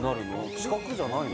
四角じゃないの？